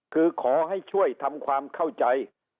คือขอให้ช่วยทำความเข้าใจ